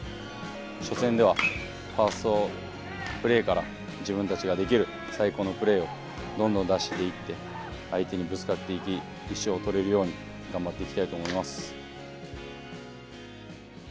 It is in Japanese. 初戦ではファーストプレーから自分たちができる最高のプレーをどんどん出していって相手にぶつかっていき１勝をとれるように頑張っていきたいと思います。